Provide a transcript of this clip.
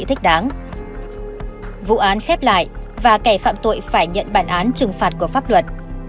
thích đáng vụ án khép lại và kẻ phạm tội phải nhận bản án trừng phạt của pháp luật